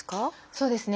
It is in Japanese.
そうですね。